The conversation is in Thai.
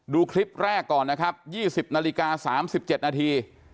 ดูคลิปแรกก่อนนะครับยี่สิบนาฬิกาสามสิบเจ็ดนาที